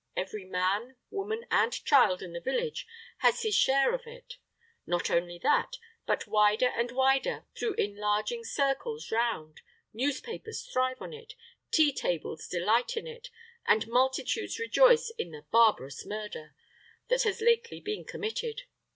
Every man, woman, and child in the village has his share of it. Not only that, but wider and wider, through enlarging circles round, newspapers thrive on it, tea tables delight in it, and multitudes rejoice in the "Barbarous Murder!" that has lately been committed.